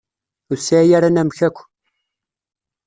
Ur tesɛi ara anamek akk.